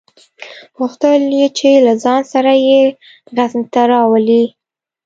غوښتل یې چې له ځان سره یې غزني ته راولي.